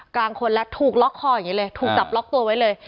กลางคนแล้วถูกล็อกคออย่างนี้เลยถูกจับล็อกตัวไว้เลย